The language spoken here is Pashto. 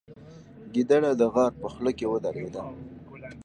ګیدړه د غار په خوله کې ودرېده.